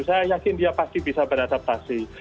saya yakin dia pasti bisa beradaptasi